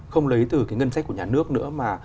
không lấy từ cái ngân sách của nhà nước nữa mà